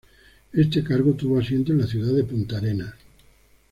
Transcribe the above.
Este cargo tuvo asiento en la ciudad de Punta Arenas.